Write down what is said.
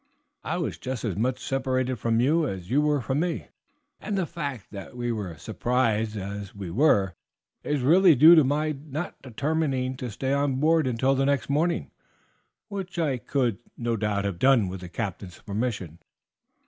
I was just as much separated from you as you were from me, and the fact that we were surprised as we were is really due to my not determining to stay on board until the morning, which I could no doubt have done with the captain's permission.